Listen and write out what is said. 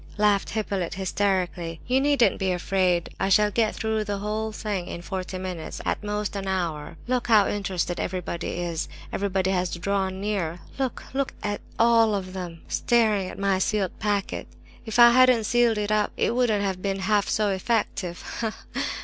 '" laughed Hippolyte, hysterically. "You needn't be afraid; I shall get through the whole thing in forty minutes, at most an hour! Look how interested everybody is! Everybody has drawn near. Look! look at them all staring at my sealed packet! If I hadn't sealed it up it wouldn't have been half so effective!